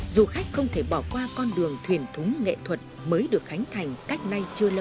du khách không thể bỏ qua con đường thuyền thúng nghệ thuật mới được khánh thành cách nay chưa lâu